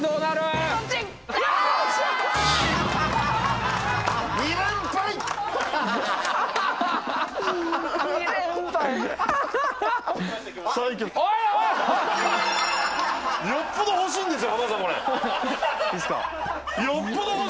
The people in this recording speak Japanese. よっぽど欲しいんですよ。